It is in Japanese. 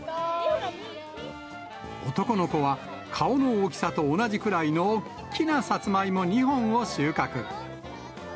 男の子は、顔の大きさと同じくらいのおっきなサツマイモ２本を収穫。